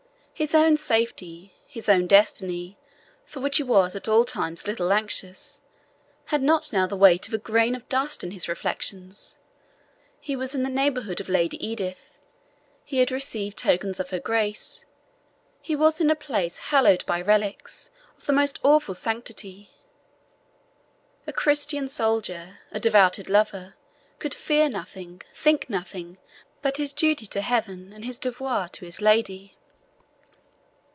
His own safety, his own destiny, for which he was at all times little anxious, had not now the weight of a grain of dust in his reflections. He was in the neighbourhood of Lady Edith; he had received tokens of her grace; he was in a place hallowed by relics of the most awful sanctity. A Christian soldier, a devoted lover, could fear nothing, think of nothing, but his duty to Heaven and his devoir to his lady.